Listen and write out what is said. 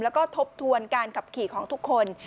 แล้วก็ทบทวนการขับขี่ของทุกคน